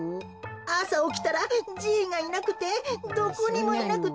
あさおきたらじいがいなくてどこにもいなくて。